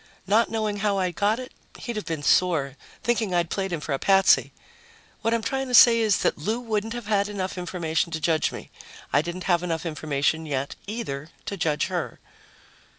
Not knowing how I got it, he'd have been sore, thinking I'd played him for a patsy. What I'm trying to say is that Lou wouldn't have had enough information to judge me. I didn't have enough information yet, either, to judge her.